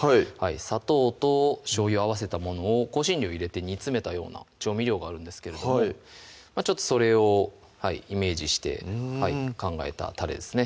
砂糖としょうゆ合わせたものを香辛料入れて煮詰めたような調味料があるんですけれどもちょっとそれをイメージして考えたたれですね